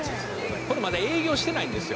「これまだ営業してないんですよ」